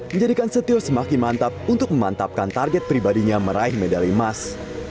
menjadikan setio semakin mantap untuk memantapkan target pribadinya meraih medali emas